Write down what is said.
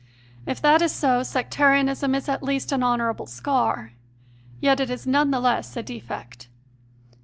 If that is so, Sectari anism is at least an honourable scar; yet it is none the less a defect.